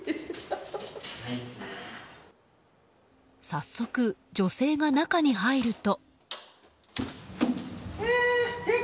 早速、女性が中に入ると。